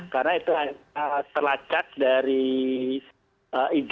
karena itu terlacak dari ig